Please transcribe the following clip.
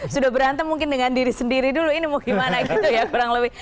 sudah berantem mungkin dengan diri sendiri dulu ini mau gimana gitu ya kurang lebih